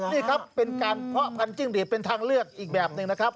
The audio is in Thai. นี่ครับเป็นการเพาะพันธิ้งหลีดเป็นทางเลือกอีกแบบหนึ่งนะครับ